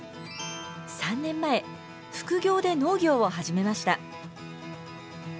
３年前副業で農業を始めました。